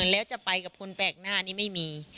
แล้วจะไปกับคนแปลกหน้านี้ไม่มี